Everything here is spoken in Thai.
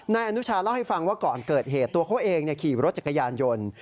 นายอนุชาเล่าให้ฟังว่าก่อนเกิดเหตุตัวเขาเองขี่รถจักรยานยนต์